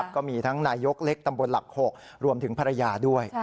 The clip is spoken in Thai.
ก็มีทั้งนายกเล็กตำบลหลัก๖รวมถึงภรรยาด้วย